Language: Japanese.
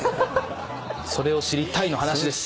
「それを知りたい」の話です。